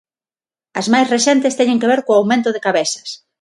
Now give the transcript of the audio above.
As máis recentes teñen que ver co aumento de cabezas.